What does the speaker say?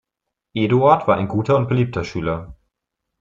Eduard war ein guter und beliebter Schüler.